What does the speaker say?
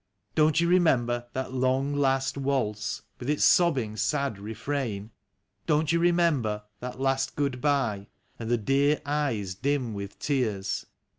Don't you remember that long, last waltz, with its sob bing, sad refrain? Don't you remember that last good bye, and the dear eyes dim with tears?